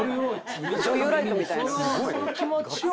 「女優ライトみたいな」